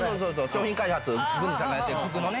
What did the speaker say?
商品開発郡司さんがやってる服のね。